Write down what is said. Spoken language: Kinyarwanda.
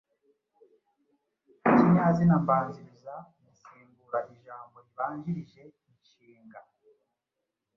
Ikinyazina mbanziriza gisimbura ijambo ribanjirije inshinga.